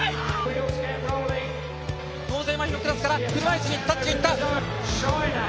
脳性まひのクラスから車いすにタッチいった。